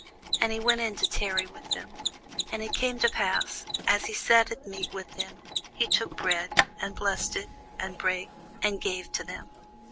And he went in to tarry with them. And it came to pass, as he sat at meat with them, he took bread, and blessed it, and brake, and gave to them.